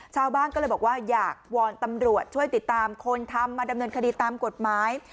ชาวบ้านก็เลยบอกว่าอยากวอนตำรวจช่วยติดตามคนทำมาดำเนินคดีตามกฎหมาย